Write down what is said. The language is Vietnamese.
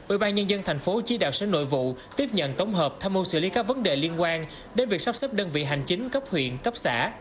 ủy ban nhân dân tp hcm sẽ nội vụ tiếp nhận tống hợp tham mưu xử lý các vấn đề liên quan đến việc sắp xếp đơn vị hành chính cấp huyện cấp xã